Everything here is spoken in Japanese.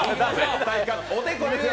おでこですよ。